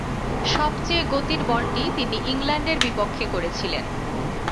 সবচেয়ে গতির বলটি তিনি ইংল্যান্ড এর বিপক্ষে করেছিলেন।